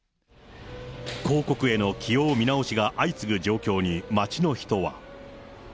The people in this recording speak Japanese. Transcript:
広告への起用見直しが相次ぐ状況に、街の人は。